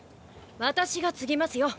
私が継ぎますよ。